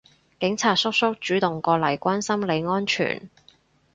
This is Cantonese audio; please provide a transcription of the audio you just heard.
警察叔叔主動過嚟關心你安全